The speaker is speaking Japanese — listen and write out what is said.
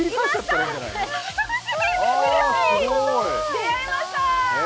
出会えました！